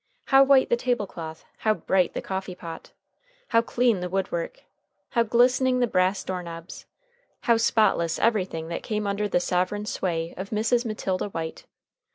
How white the table cloth, how bright the coffee pot, how clean the wood work, how glistening the brass door knobs, how spotless everything that came under the sovereign sway of Mrs. Matilda White!